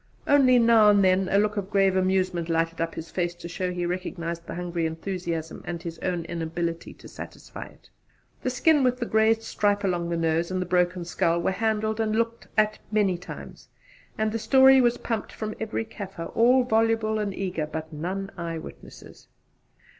Only now and then a look of grave amusement lighted up his face to show he recognised the hungry enthusiasm and his own inability to satisfy it. The skin with the grazed stripe along the nose, and the broken skull, were handled and looked at many times, and the story was pumped from every Kaffir all voluble and eager, but none eye witnesses.